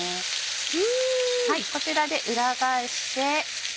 こちらで裏返して。